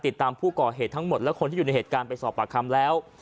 ติดตามผู้ก่อเหตุทั้งหมดและคนที่อยู่ในเหตุการณ์ไปสอบปากคำแล้ว